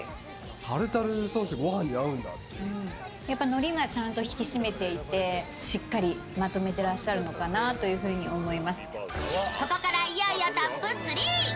のりがちゃんと引き締めていて、しっかりまとめてらっしゃるのかなと思います。